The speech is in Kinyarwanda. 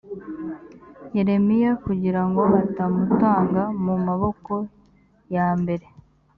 yeremiya kugira ngo batamutanga mu maboko ya mbere